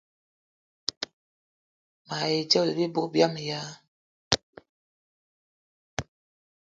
Mayi ṅyëbëla bibug biama ya